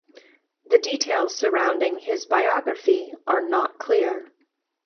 The details surrounding his biography are not clear.